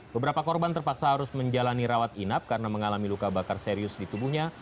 beberapa korban terpaksa harus menjalani rawat inap karena mengalami luka bakar serius di tubuhnya